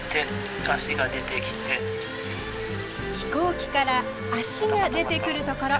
飛行機から足が出てくるところ。